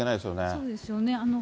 そうですよね。